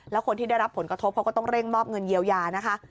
แล้วคนที่ได้รับผลกระทบเขาก็ต้องเร่งมอบเงินเยียวยานะคะ